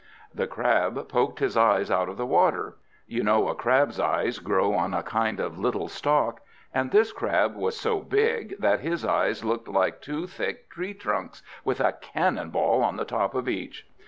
The Crab poked his eyes out of the water. You know a crab's eyes grow on a kind of little stalk; and this Crab was so big, that his eyes looked like two thick tree trunks, with a cannon ball on the top of each.